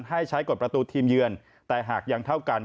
ให้ใช้กฎประตูทีมเยือนแต่หากยังเท่ากัน